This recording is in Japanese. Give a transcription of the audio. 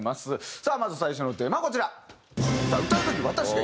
さあまず最初のテーマはこちら。